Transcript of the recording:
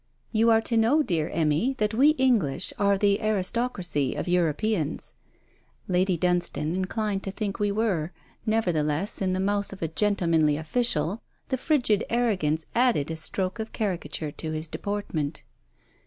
'You are to know, dear Emmy, that we English are the aristocracy of Europeans.' Lady Dunstane inclined to think we were; nevertheless, in the mouth of a 'gentlemanly official' the frigid arrogance added a stroke of caricature to his deportment.